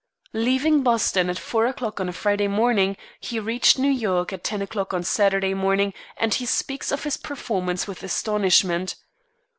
Leaving Boston at four o'clock on a Friday morning, he reached New York at ten o'clock on Saturday morning, and he speaks of this performance with astonishment.